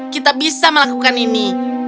kita bisa melakukan ini